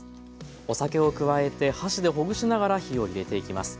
お酒を加えて箸でほぐしながら火をいれていきます。